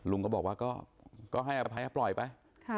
ลุงก็บอกว่าก็ให้อภัยปล่อยไป